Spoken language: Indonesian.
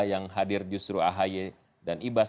yang hadir justru ahy dan ibas